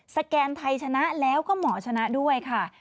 แกนไทยชนะแล้วก็หมอชนะด้วยค่ะ